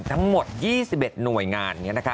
ทั้งหมด๒๑หน่วยงาน